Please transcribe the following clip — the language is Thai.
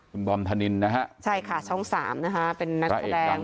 คุณบอร์มทานินนะฮะใช่ค่ะช่องสามนะฮะเป็นนักแพทย์แดง